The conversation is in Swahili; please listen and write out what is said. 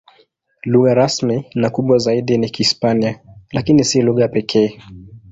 Lugha rasmi na kubwa zaidi ni Kihispania, lakini si lugha pekee.